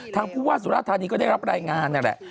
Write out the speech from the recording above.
ผู้ว่าสุราธานีก็ได้รับรายงานนั่นแหละ